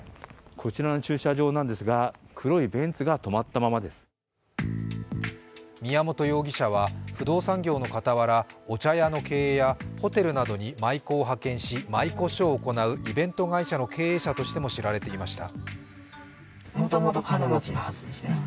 こちらの駐車場なんですが、宮本容疑者は不動産業の傍らお茶屋の経営やホテルなどに舞妓を派遣し舞妓ショーを行うイベント会社の経営者としても知られていました。